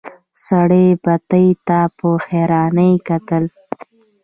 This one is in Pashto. سړي بتۍ ته په حيرانی کتل.